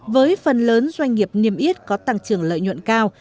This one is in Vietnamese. với phần lớn doanh nghiệp niềm yết có tăng trường lợi nhuận cao